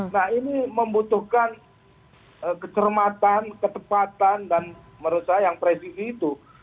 nah ini membutuhkan kecermatan ketepatan dan menurut saya yang presisi itu